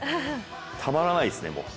たまらないですね、もう。